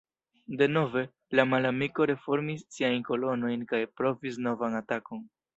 Denove, la malamiko reformis siajn kolonojn kaj provis novan atakon.